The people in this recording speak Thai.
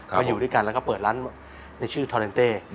พออยู่ด้วยกันเราก็เปิดร้านที่ชื่อตอเลนเต้